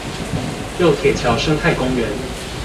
舊鐵橋生態公園